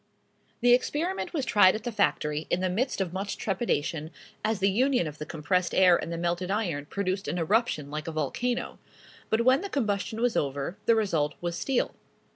The experiment was tried at the factory, in the midst of much trepidation, as the union of the compressed air and the melted iron produced an eruption like a volcano; but when the combustion was over, the result was steel.